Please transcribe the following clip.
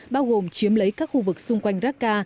bao gồm chiếm lấy các khu vực xung quanh raka